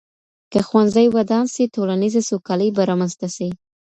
که ښوونځي ودان سي ټولنیزه سوکالي به رامنځته سي.